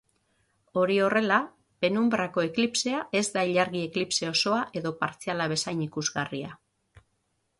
Hori horrela, penunbrako eklipsea ez da ilargi-eklipse osoa edo partziala bezain ikusgarria.